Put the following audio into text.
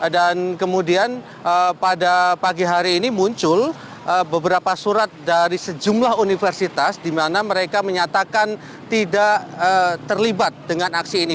dan kemudian pada pagi hari ini muncul beberapa surat dari sejumlah universitas di mana mereka menyatakan tidak terlibat dengan aksi ini